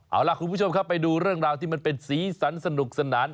เอาล่ะคุณผู้ชมครับไปดูเรื่องราวที่มันเป็นสีสันสนุกสนาน